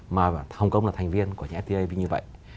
mà hồng kông là thành viên của những fta như vậy